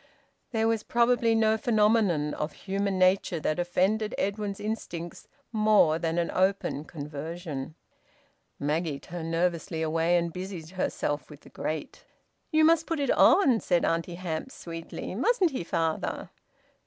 There was probably no phenomenon of human nature that offended Edwin's instincts more than an open conversion. Maggie turned nervously away and busied herself with the grate. "You must put it on," said Auntie Hamps sweetly. "Mustn't he, father?"